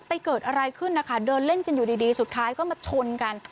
เกิดอะไรขึ้นนะคะเดินเล่นกันอยู่ดีสุดท้ายก็มาชนกัน